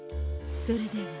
それでは。